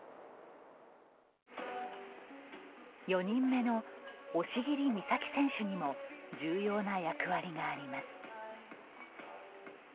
４人目の押切美沙紀選手にも重要な役割があります。